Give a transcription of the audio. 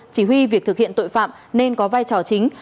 chỉ huy việc thực hiện tội phạm nên có vai trò chính